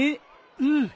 うん。